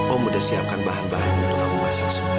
om udah siapkan bahan bahan untuk aku masak semua ini